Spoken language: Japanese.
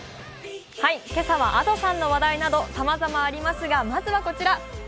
今朝はＡｄｏさんの話題などさまざまありますが、まずはこちら。